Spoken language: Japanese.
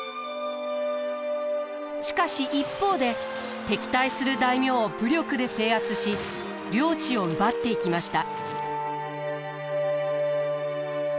しかし一方で敵対する大名を武力で制圧し領地を奪っていきました。